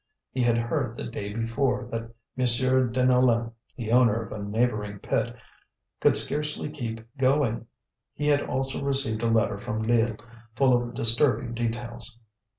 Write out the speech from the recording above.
He had heard the day before, that M. Deneulin, the owner of a neighbouring pit, could scarcely keep going. He had also received a letter from Lille full of disturbing details.